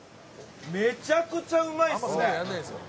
めちゃくちゃうまいっすね！